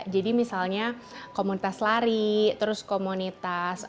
jadi misalnya komunitas lari terus komunitas